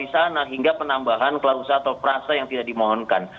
di sana hingga penambahan klausa atau perasa yang tidak dimohonkan